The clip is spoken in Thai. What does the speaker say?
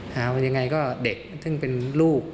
ยังไงก็เด็กซึ่งเป็นลูก